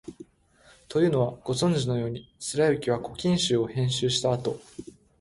というのは、ご存じのように、貫之は「古今集」を編集したあと、